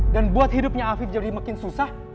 dan buat hidupnya afid jadi makin susah